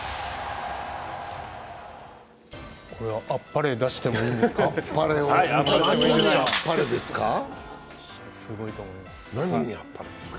これは、あっぱれ出してもいいですか？